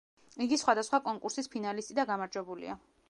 იგი სხვადასხვა კონკურსის ფინალისტი და გამარჯვებულია.